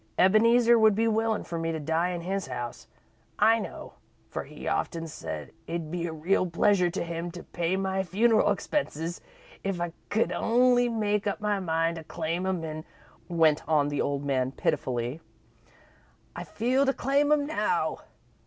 Ebeneezer would be willin' for me to die in his house, I know, for he's often said it'd be a reel pleasure to him to pay my funeral expenses if I c'd only make up my mind to claim 'em, an'," went on the old man pitifully, "I feel to claim 'em now.